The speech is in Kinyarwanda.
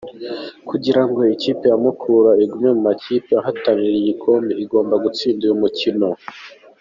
Kugirango ikipe ya Mukura igume mu makipe ahatanira igikombe igomba gutsinda uyu mukino.